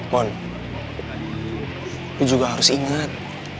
mon lo juga harus ingat